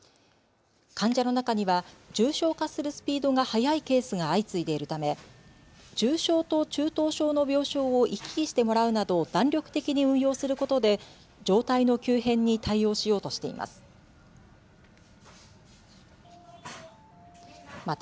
患者の中には重症化するスピードが早いケースが相次いでいるため重症と中等症の病床を行き来してもらうなど弾力的に運用することで状態の急変に対応しようとしています。